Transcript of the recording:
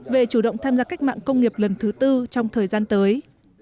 về chủ động tham gia cách mạng công nghiệp lần thứ tư trong thời gian tới